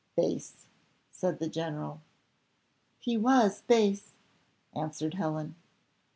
"Base!" said the general. "He was base," answered Helen.